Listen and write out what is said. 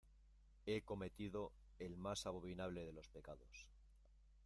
he cometido el más abominable de los pecados: